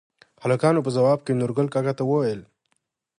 هلکانو په ځواب کې نورګل کاکا ته ووېل: